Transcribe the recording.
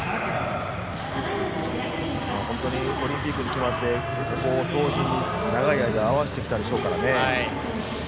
本当にオリンピック決まって照準長い間合わせてきたでしょうからね。